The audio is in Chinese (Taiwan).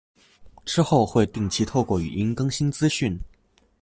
之後會定期透過語音更新資訊